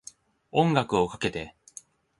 音楽をかけて